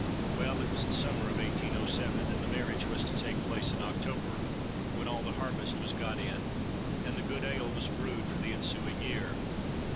Well, it was the summer of 1807, and the marriage was to take place in October, when all the harvest was got in, and the good ale was brewed for the ensuing year.